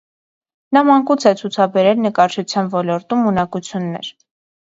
Նա մանկուց է ցուցաբերել նկարչության ոլորտում ունակություններ։